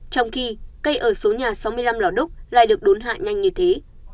trong khi cây ở số nhà sáu mươi năm lò đúc lại được đốn hạ nhanh như thế